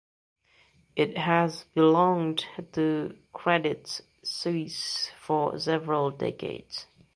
It has belonged to Credit Suisse for several decades.